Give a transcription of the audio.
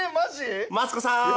マツコさん！